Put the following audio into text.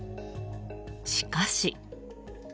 しかし。